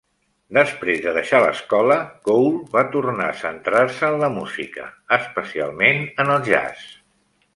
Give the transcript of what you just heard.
Després de deixar l'escola, Cole va tornar a centrar-se en la música, especialment en el jazz.